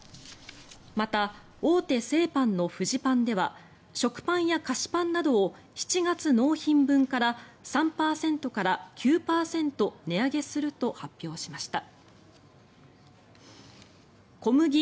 また、大手製パンのフジパンでは食パンや菓子パンなどを７月納品分から３％から９％値上げすると発表しました。